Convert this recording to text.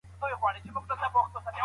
علمي سفرونه د زده کوونکو پوهه زیاتوي.